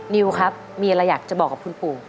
นิวครับมีอะไรอยากจะบอกกับคุณปู่